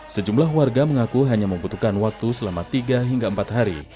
sejumlah warga mengaku hanya membutuhkan waktu selama tiga hingga empat hari